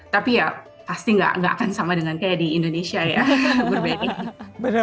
tapi ya pasti nggak akan sama dengan kayak di indonesia ya